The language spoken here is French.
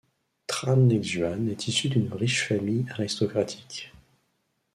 Tran Lê Xuân est issue d'une riche famille aristocratique.